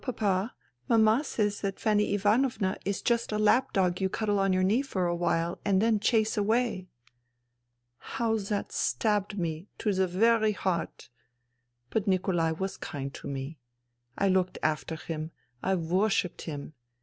Papa, Mama says that Fanny Ivanovna is just a lap dog you cuddle on your knee for a while and then chase away.' " How that stabbed me ... to the very heart I ... But Nikolai was kind to me. I looked after him. I worshipped him.